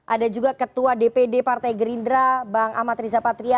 ada juga ketua dpd partai gerindra bang amat rizapatria